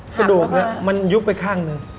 อะกระดูกมันยุบไปข้างมือ